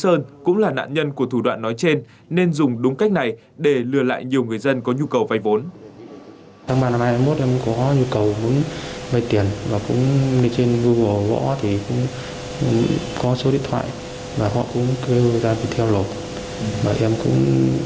sơn cũng là nạn nhân của thủ đoạn nói trên nên dùng đúng cách này để lừa lại nhiều người dân có nhu cầu vay vốn